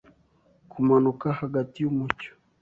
Kumanuka hagati yumucyo